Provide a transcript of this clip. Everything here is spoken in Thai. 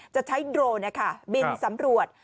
จะใช้โดรนนะค่ะบินสำรวจ